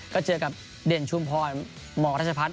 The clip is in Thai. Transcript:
ก็เจอกับเด่นชุมพรมรัชพัฒน